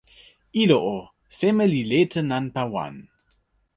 ilo o, seme li lete nanpa wan?